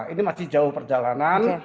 ini masih jauh perjalanan